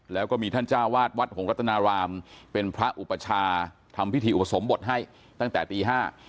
แล้วก็มีท่านจ้าวาดวัดหงรัตนารามเป็นพระอุปชาทำพิธีอุปสมบทให้ตั้งแต่ตีห้า